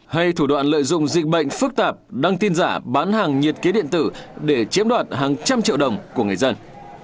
hay thủ đoạn lợi dụng dịch bệnh phức tạp đăng tin giả bán hàng nhiệt kế điện tử để chiếm đoạt hàng trăm triệu đồng của người dân